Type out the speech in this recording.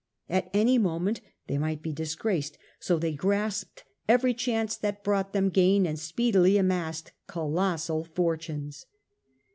At any moment they might be disgraced, so they grasped every of gaining chance that brought them gain and speedily wealth. amassed colossal fortunes.